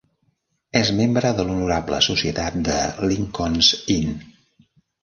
És membre de l'honorable societat de Lincon's Inn.